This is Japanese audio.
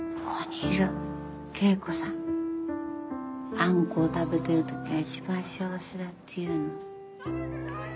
あんこを食べてる時が一番幸せだっていうの。